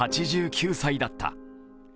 ８９歳だった。